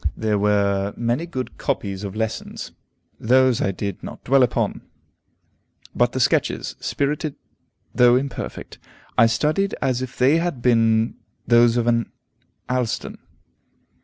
There were many good copies of lessons: those I did not dwell upon. But the sketches, spirited though imperfect, I studied as if they had been those of an Allston.